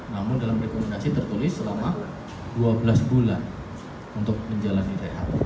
namun dalam rekomendasi tertulis selama dua belas bulan untuk menjalani rehab